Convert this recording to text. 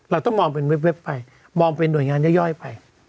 เราต้องมองเป็นเว็บไปมองเป็นหน่วยงานย่อยไป